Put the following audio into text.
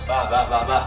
bah bah bah